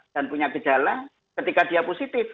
dan punya gejala ketika dia positif